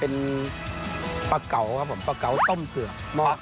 เป็นปะเก๋าครับผมปะเก๋าต้มเผือกหม้อไฟครับ